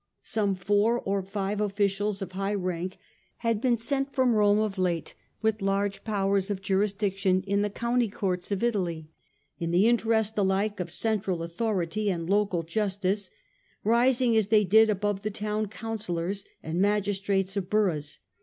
Some four or five officials of high rank had been sent from Rome of late with large powers of appoints jurisdiction in the county courts of Italy, in furidici, the interest alike of central authority and local justice, rising as they did above the town councillors and magistrates of boroughs.